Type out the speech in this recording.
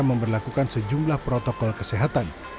memperlakukan sejumlah protokol kesehatan